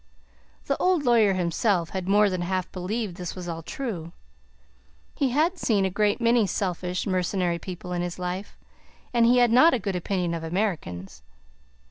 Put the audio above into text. The old lawyer himself had more than half believed this was all true. He had seen a great many selfish, mercenary people in his life, and he had not a good opinion of Americans.